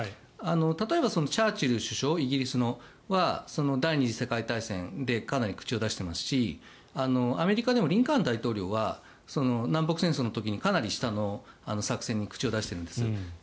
例えばイギリスのチャーチル首相第２次世界大戦でかなり口を出していますしアメリカでもリンカーン大統領は南北戦争の時にかなり下の作戦に口を出しているんです。